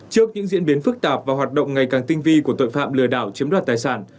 trước những diễn biến phức tạp và hoạt động ngày càng tinh vi của tội phạm lừa đảo chiếm đoạt tài sản